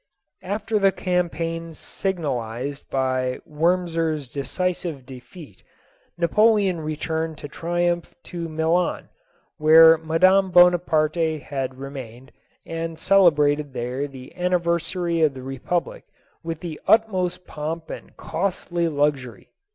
After the campaign signalized by Wurmser's decisive defeat, Napoleon returned in triumph to Milan, where Madame Bonaparte had remained, and celebrated there the anniversary of the Republic with the utmost pomp and costly luxury.